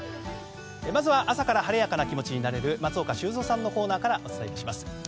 まずは朝から晴れやかな気持ちになれる松岡修造さんのコーナーからお伝えします。